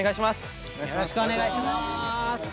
よろしくお願いします。